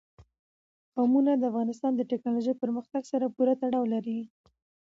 قومونه د افغانستان د تکنالوژۍ پرمختګ سره پوره تړاو لري.